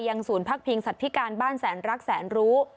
ศูนย์พักพิงสัตว์ธิการบ้านแสนรักแสนรู้